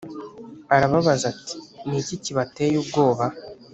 Arababaza ati Ni iki kibateye ubwoba